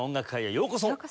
ようこそ。